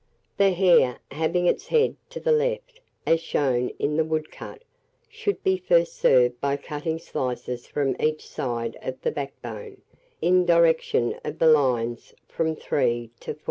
The hare, having its head to the left, as shown in the woodcut, should be first served by cutting slices from each side of the backbone, in the direction of the lines from 3 to 4.